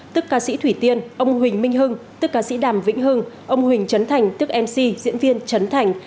tức ca sĩ thủy tiên ông huỳnh minh hưng tức ca sĩ đàm vĩnh hưng ông huỳnh trấn thành tức mc diễn viên trấn thành